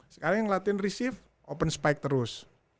sekarang yang latihan receeve open spike terus